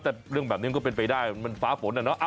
แต่เรื่องแบบนี้มันก็เป็นไปได้มันฟ้าฝนอะเนาะ